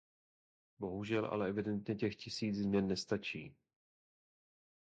Bohužel ale evidentně těch tisíc změn nestačí.